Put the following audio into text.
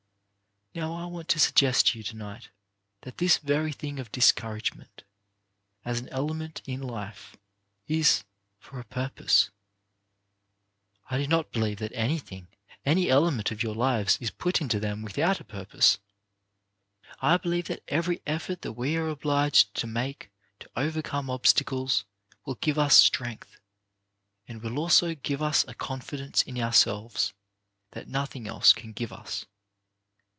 Now I want to suggest to you to night that this very thing of discouragement, as an element in life, is for a purpose. I do not believe that anything, any element of your lives, is put into them without a purpose. I believe that every effort that we are obliged to make to overcome obstacles will give us strength, will give us a con fidence in ourselves, that nothing else can give us.